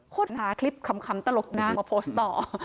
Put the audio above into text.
ค้นหาคลิปขำตลกนะมาโพสต์ต่อ